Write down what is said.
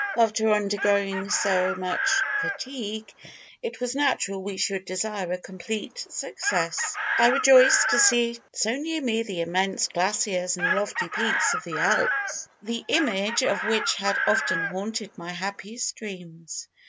After undergoing so much fatigue, it was natural we should desire a complete success. I rejoiced to see so near me the immense glaciers and lofty peaks of the Alps, the image of which had often haunted my happiest dreams.